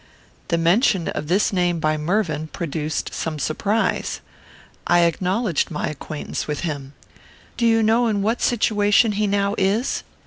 The mention of this name by Mervyn produced some surprise. I acknowledged my acquaintance with him. "Do you know in what situation he now is?"